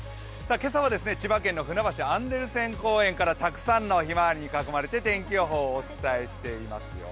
今朝は千葉県のふなばしアンデルセン公園からたくさんのひまわりに囲まれて天気予報をお伝えしていますよ。